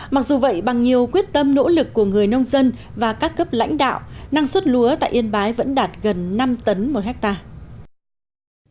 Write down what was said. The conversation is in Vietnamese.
mặc dù vậy bằng nhiều quyết tâm nỗ lực của người nông dân và các cấp lãnh đạo năng suất lúa tại yên bái vẫn đạt gần năm tấn một hectare